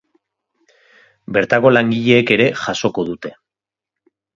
Bertako langileek ere jasoko dute.